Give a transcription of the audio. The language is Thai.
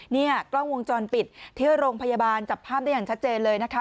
เนี่ยกล้องวงจรปิดที่โรงพยาบาลจับภาพได้อย่างชัดเจนเลยนะคะ